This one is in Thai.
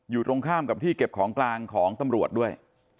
อยู่ตรงข้ามกับที่เก็บของกลางของตำรวจด้วย